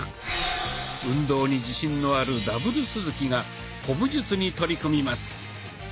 運動に自信のある「Ｗ鈴木」が古武術に取り組みます。